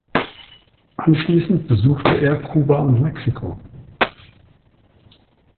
Anschließend besuchte er Kuba und Mexiko.